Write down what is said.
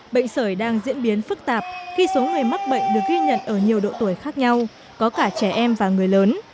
bệnh sởi đang diễn biến phức tạp khi số người mắc bệnh được ghi nhận ở nhiều độ tuổi khác nhau có cả trẻ em và người lớn